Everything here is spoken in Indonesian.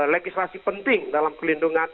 legislasi penting dalam perlindungan